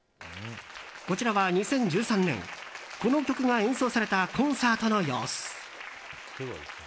こちらは２０１３年この曲が演奏されたコンサートの様子。